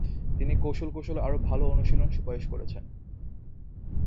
তিনি কৌশল কৌশল আরও ভাল অনুশীলন সুপারিশ করেছেন।